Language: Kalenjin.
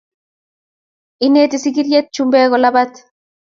Inetii sigiryetab chumbek kolabat